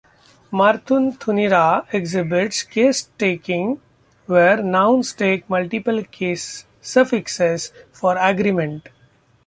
Martuthunira exhibits case stacking, where nouns take multiple case suffixes for agreement.